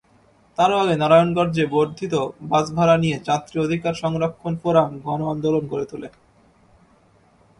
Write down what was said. তারও আগে নারায়ণগঞ্জে বর্ধিত বাসভাড়া নিয়ে যাত্রী-অধিকার সংরক্ষণ ফোরাম গণ-আন্দোলন গড়ে তোলে।